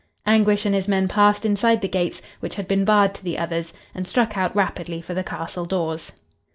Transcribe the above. Anguish and his men passed inside the gates, which had been barred to the others, and struck out rapidly for the castle doors.